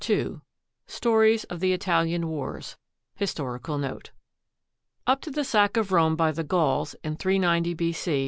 I II STORIES OF THE ITALIAN WARS HISTORICAL NOTE Up to the sack of Rome by the Gauls, in 390 B.C.